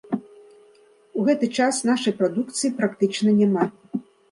У гэты час нашай прадукцыі практычна няма.